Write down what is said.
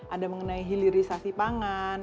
ada mengenai hilirisasi pangan